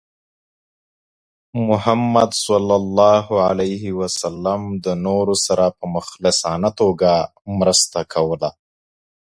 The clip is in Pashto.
محمد صلى الله عليه وسلم د نورو سره په مخلصانه توګه مرسته کوله.